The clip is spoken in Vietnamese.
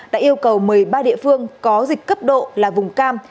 đã yêu cầu một mươi ba địa phương có dịch cấp độ là vùng cam